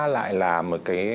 lại là một cái